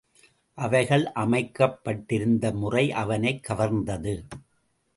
அவைகள் அமைக்கப்பட்டிருந்த முறை அவனைக் கவர்ந்தது.